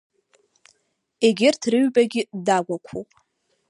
Егьырҭ рыҩбагьы дагәақәоуп.